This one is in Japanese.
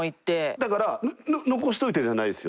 だから残しておいてではないですよ。